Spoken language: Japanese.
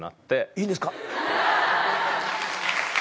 いいんですか？